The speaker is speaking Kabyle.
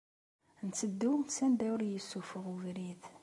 Nteddu s anda ur yessufuɣ ubrid.